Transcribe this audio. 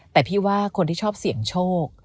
แต่พี่ว่าคนที่ชอบเสี่ยงโชค